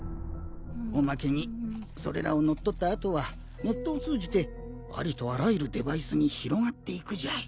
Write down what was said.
おまけにそれらを乗っ取った後はネットを通じてありとあらゆるデバイスに広がっていくじゃい。